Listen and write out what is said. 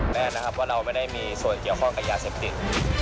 แน่นะครับว่าเราไม่ได้มีส่วนเกี่ยวข้องกับยาเสพติด